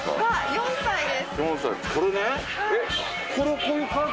４歳です。